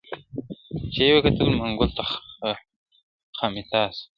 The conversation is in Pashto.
چي یې وکتل منګول ته خامتما سو !.